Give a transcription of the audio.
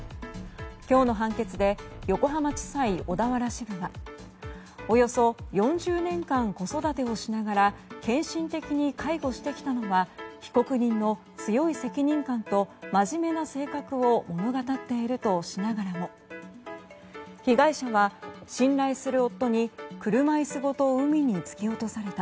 今日の判決で横浜地裁小田原支部はおよそ４０年間子育てをしながら献身的に介護してきたのは被告人の強い責任感と真面目な性格を物語っているとしながらも被害者は信頼する夫に車椅子ごと海に突き落とされた。